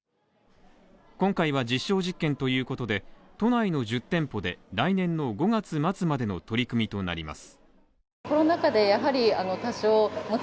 今回は実証実験ということで、都内の１０店舗で、来年の５月末までの取り組みとなります。